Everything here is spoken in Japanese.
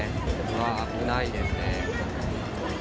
わー、危ないですね。